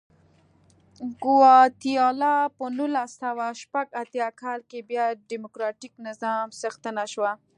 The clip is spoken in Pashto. ګواتیلا په نولس سوه شپږ اتیا کال کې بیا ډیموکراتیک نظام څښتنه شوه.